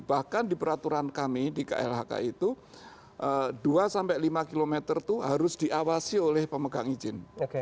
bahkan di peraturan kami di klhk itu dua sampai lima km itu harus diawasi oleh pemegang izin